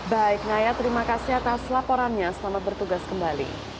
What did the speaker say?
baik naya terima kasih atas laporannya selamat bertugas kembali